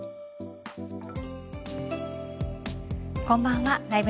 こんばんは。